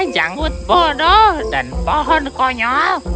janggut bodoh dan pohon konyol